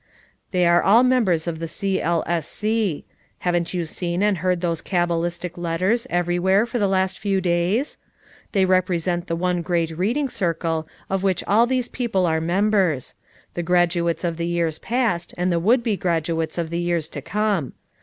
"They are all members of the C. L. S. C Haven't you seen and heard those cabalistic letters everywhere for the last few days ? They represent the one great Reading Circle of which all these people are members; the grad uates of the years past, and the would be graduates of the years to come.